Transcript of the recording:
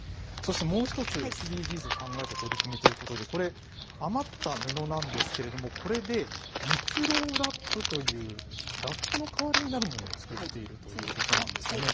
もう１つ、ＳＤＧｓを考えた取り組みということで余った布なんですけれどもこれで蜜ろうラップというラップの代わりになるものを作っているということなんですよね。